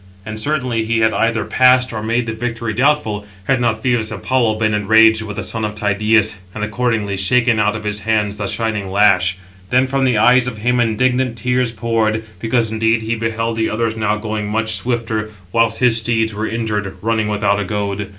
And certainly he had either passed, or made [the victory] doubtful, had not Phœbus Apollo been enraged with the son of Tydeus, and accordingly shaken out of his hands the shining lash. Then from the eyes of him indignant tears poured, because indeed he beheld the others now going much swifter, whilst his [steeds] were injured, running without a goad.